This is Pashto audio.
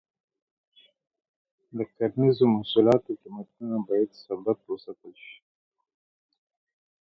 د کرنیزو محصولاتو قیمتونه باید ثابت وساتل شي.